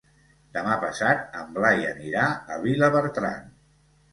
Demà passat en Blai anirà a Vilabertran.